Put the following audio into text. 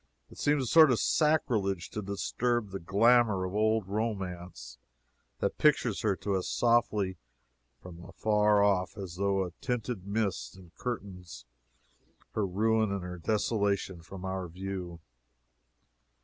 It seems a sort of sacrilege to disturb the glamour of old romance that pictures her to us softly from afar off as through a tinted mist, and curtains her ruin and her desolation from our view.